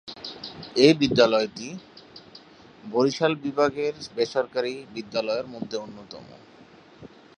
এই বিদ্যালয়টি বরিশাল বিভাগের বেসরকারী বিদ্যালয়ের মধ্যে অন্যতম।।